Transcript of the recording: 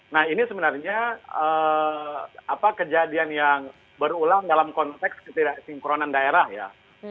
nah ini sebenarnya kejadian yang berulang dalam konteks ketidaksinkronan daerah ya